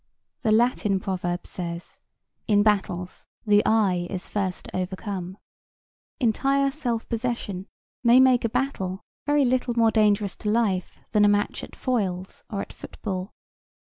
The Latin proverb says, "In battles the eye is first overcome." Entire self possession may make a battle very little more dangerous to life than a match at foils or at football.